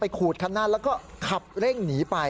ขูดคันหน้าแล้วก็ขับเร่งหนีไป